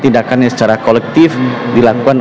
tindakannya secara kolektif dilakukan